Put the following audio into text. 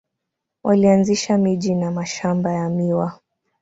Walianzisha miji na mashamba ya miwa.